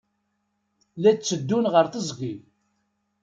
La tteddun ɣer teẓgi.